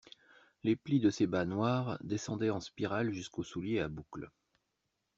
Les plis de ses bas noirs descendaient en spirale jusqu'aux souliers à boucles.